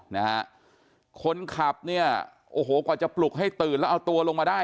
นะฮะคนขับเนี่ยโอ้โหกว่าจะปลุกให้ตื่นแล้วเอาตัวลงมาได้